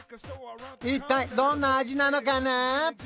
一体どんな味なのかな？